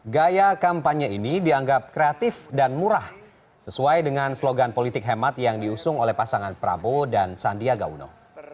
gaya kampanye ini dianggap kreatif dan murah sesuai dengan slogan politik hemat yang diusung oleh pasangan prabowo dan sandiaga uno